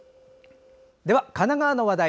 では神奈川の話題。